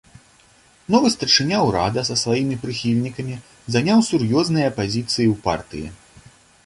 Новы старшыня ўрада са сваімі прыхільнікамі заняў сур'ёзныя пазіцыі ў партыі.